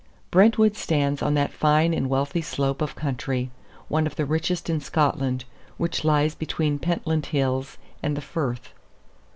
Brentwood stands on that fine and wealthy slope of country one of the richest in Scotland which lies between the Pentland Hills and the Firth.